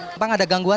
apa ada gangguan